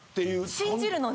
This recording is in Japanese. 信じるのね。